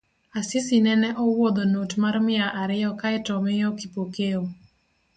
Asisi nene owuodho not mar mia ariyo kae tomiyo Kipokeo